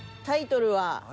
タイトルは？